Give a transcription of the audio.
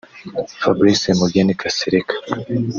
Fabrice Mugheni Kasereka